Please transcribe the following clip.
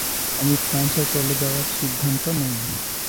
আমি ফ্রান্সে চলে যাওয়ার সিদ্ধান্ত নেই।